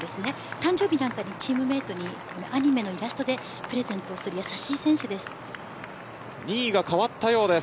誕生日にチームメートにアニメのイラストでプレゼントするやさしい選手です。